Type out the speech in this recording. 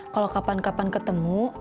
kalau kapan kapan ketemu